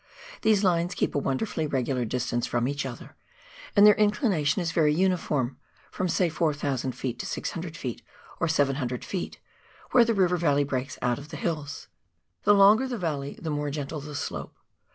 These lines keep a wonderfully regular distance from each other, and their in clination is very uniform, from, say, 4,000 ft. to 600 ft. or 700 ft., where the river valley breaks out of the hills. The longer the valley the more gentle the slope.